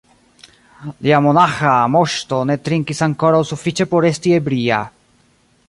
Lia monaĥa Moŝto ne trinkis ankoraŭ sufiĉe por esti ebria.